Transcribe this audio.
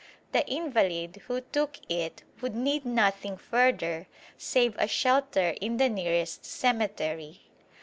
The invalid who took it would need nothing further save a shelter in the nearest cemetery.